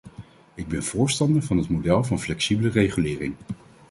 Ik ben voorstander van het model van flexibele regulering.